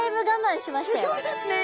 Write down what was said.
すギョいですね。